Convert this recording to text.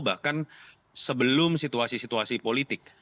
bahkan sebelum situasi situasi politik